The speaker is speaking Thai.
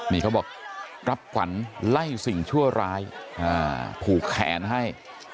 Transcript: นี่เขาบอกรับขวัญไล่สิ่งชั่วร้ายผูกแขนให้